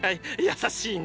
優しいね！